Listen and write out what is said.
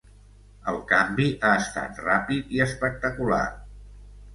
El canvi ha estat ràpid i espectacular.